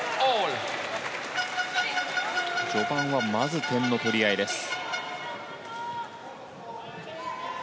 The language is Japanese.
序盤はまず点の取り合いです。